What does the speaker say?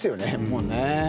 もうね。